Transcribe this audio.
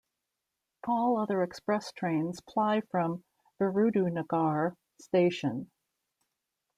All other express trains ply from Virudunagar station.